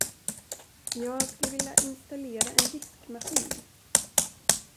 Jag skulle vilja installera en diskmaskin.